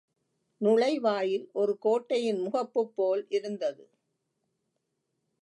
நுழைவாயில் ஒரு கோட்டையின் முகப்புபோல் இருந்தது.